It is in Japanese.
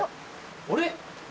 あれ？